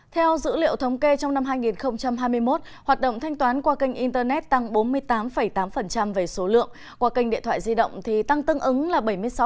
theo dữ liệu thống kê trong năm hai nghìn hai mươi một hoạt động thanh toán qua kênh internet tăng bốn mươi tám tám về số lượng qua kênh điện thoại di động thì tăng tương ứng là bảy mươi sáu